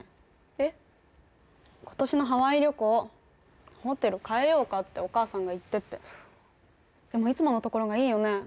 えっ今年のハワイ旅行ホテル変えようかってお母さんが言っててでもいつものところがいいよね？